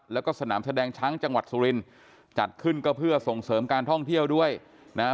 แล้วก็สนามแสดงช้างจังหวัดสุรินจัดขึ้นก็เพื่อส่งเสริมการท่องเที่ยวด้วยนะฮะ